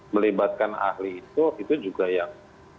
melibatkan ahli itu itu juga yang